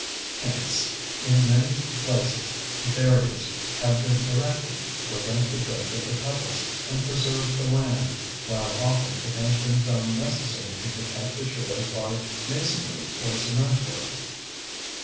Hence in many places barriers have been erected to prevent the drift of the pebbles and preserve the land, while often it has been found necessary to protect the shores by masonry or cement work.